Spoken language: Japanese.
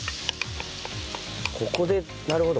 ここでなるほど。